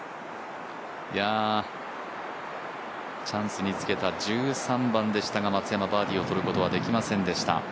チャンスにつけた１３番でしたが松山バーディーをとることはできませんでした。